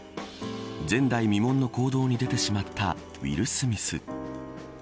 前代未聞の行動に出てしまったウィル・スミス。